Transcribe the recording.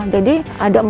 jadi ada empat aspek